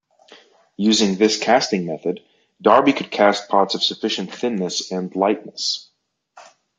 Using this casting method Darby could cast pots of sufficient thinness and lightness.